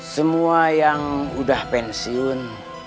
semua yang udah pensiun